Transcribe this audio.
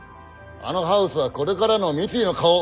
あのハウスはこれからの三井の顔。